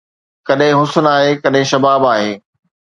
ڪڏهن حسن آهي، ڪڏهن شباب آهي